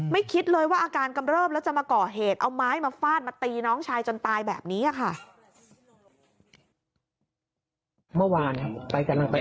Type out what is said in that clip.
คิดเลยว่าอาการกำเริบแล้วจะมาก่อเหตุเอาไม้มาฟาดมาตีน้องชายจนตายแบบนี้ค่ะ